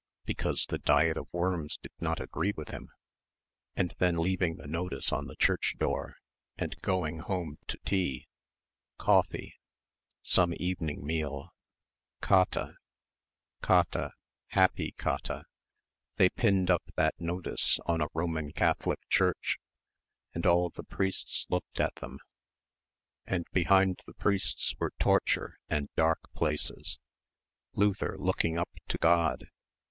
Because the Diet of Worms did not agree with him) ... and then leaving the notice on the church door and going home to tea ... coffee ... some evening meal ... Käthe ... Käthe ... happy Käthe.... They pinned up that notice on a Roman Catholic church ... and all the priests looked at them ... and behind the priests were torture and dark places ... Luther looking up to God